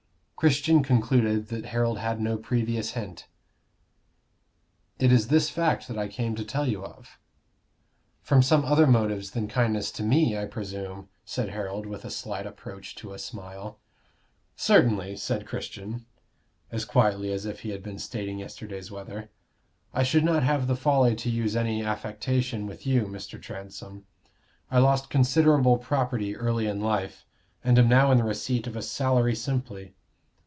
Christian concluded that Harold had no previous hint. "It is this fact, that I came to tell you of." "From some other motive than kindness to me, I presume," said Harold, with a slight approach to a smile. "Certainly," said Christian, as quietly as if he had been stating yesterday's weather. "I should not have the folly to use any affectation with you, Mr. Transome. I lost considerable property early in life, and am now in the receipt of a salary simply.